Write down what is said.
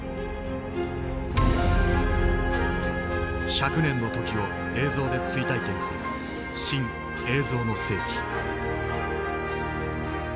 百年の時を映像で追体験する「新・映像の世紀」。